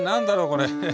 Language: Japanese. これ。